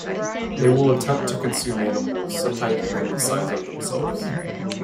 They will attempt to consume animals, sometimes even the size of themselves.